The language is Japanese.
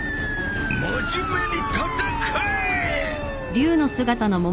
真面目に戦え！